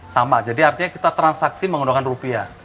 sama jadi artinya kita transaksi menggunakan rupiah